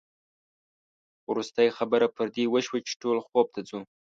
وروستۍ خبره پر دې وشوه چې ټول خوب ته ځو.